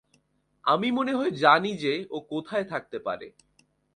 আমি মনে হয় জানি যে, ও কোথায় থাকতে পারে।